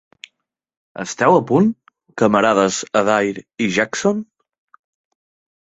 Esteu a punt, camarades Adair i Jackson?